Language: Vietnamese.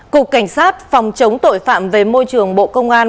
cục cảnh sát phòng chống tội phạm về môi trường bộ công an